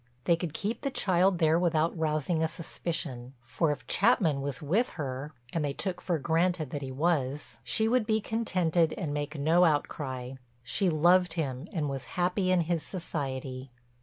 They could keep the child there without rousing a suspicion, for if Chapman was with her—and they took for granted that he was—she would be contented and make no outcry. She loved him and was happy in his society.